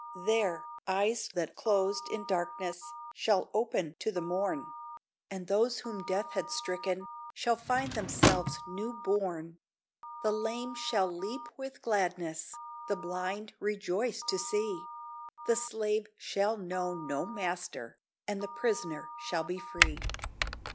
There, eyes that closed in darkness Shall open to the morn; And those whom death had stricken, Shall find themselves new born; The lame shall leap with gladness, The blind rejoice to see; The slave shall know no master, And the prisoner shall be free.